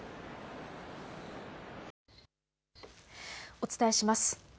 お伝えします。